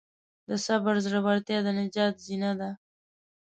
د صبر زړورتیا د نجات زینه ده.